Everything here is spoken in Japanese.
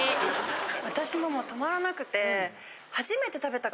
私ももう止まらなくて。